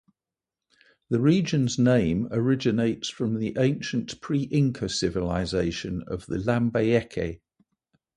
The region's name originates from the ancient pre-Inca civilization of the "Lambayeque".